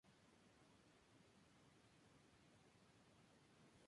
A pesar de la evidencia encontrada, no se encontraron pruebas suficientes para procesar.